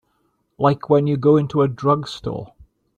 Like when you go into a drugstore.